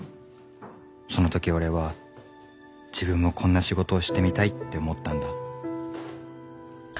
その時俺は自分もこんな仕事をしてみたいって思ったんだ。